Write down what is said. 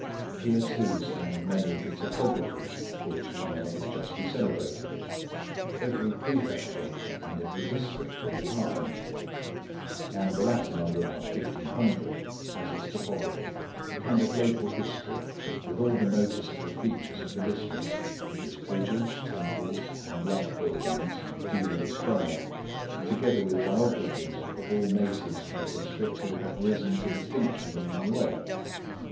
Here, too, stand many of the Topographies for which China is justly celebrated. Every Prefecture and every District, or Department,—and the latter number about fifteen hundred,—has its Topography, a kind of local history, with all the noticeable features of the District, its bridges, temples, and like buildings, duly described, together with biographies of all natives of the District who have risen to distinction in any way.